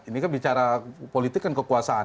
ini kan bicara politik kan kekuasaan